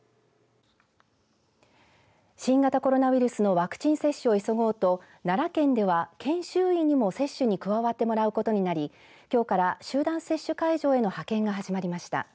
新型コロナウイルスのワクチン接種を急ごうと奈良県では、研修医にも接種に加わってもらうことになりきょうから集団接種会場への派遣が始まりました。